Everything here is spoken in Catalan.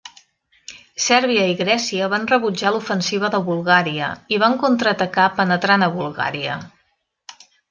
Sèrbia i Grècia van rebutjar l'ofensiva de Bulgària i van contraatacar penetrant a Bulgària.